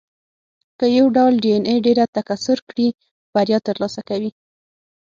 که یو ډول ډېایناې ډېره تکثر کړي، بریا ترلاسه کوي.